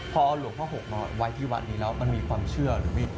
พอเอาหลวงพ่อหกมาไว้ที่วัดนี้แล้วมันมีความเชื่อหรือไม่